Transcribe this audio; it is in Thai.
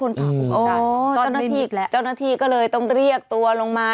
คนของกรุงการโอ้โหเจ้าหน้าทีกละเจ้าหน้าทีก็เลยต้องเรียกตัวลงมา